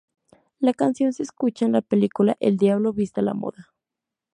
La canción se escucha en la película El diablo viste a la moda.